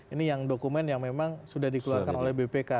ini yang dokumen yang memang sudah dikeluarkan oleh bpk